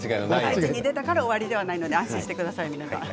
「『あさイチ』に出たから終わり」ではないので安心してください皆さん。